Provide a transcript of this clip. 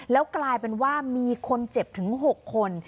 แล้วกลายเป็นว่ามีคนเจ็บถึง๖คน